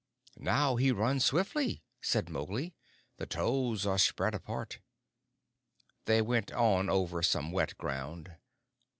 "Now he runs swiftly," said Mowgli. "The toes are spread apart." They went on over some wet ground.